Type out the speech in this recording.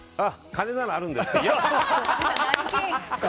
金ならあるんでって。